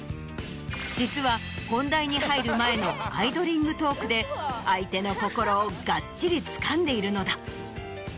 実は本題に入る前のアイドリングトークで相手の心をがっちりつかんでいるのだ。